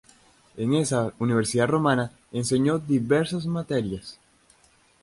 En esa universidad romana enseñó diversas materias.